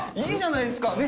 いいじゃないですか。